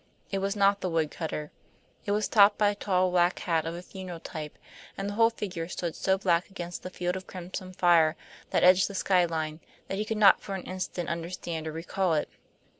It was not the woodcutter. It was topped by a tall black hat of a funeral type, and the whole figure stood so black against the field of crimson fire that edged the sky line that he could not for an instant understand or recall it.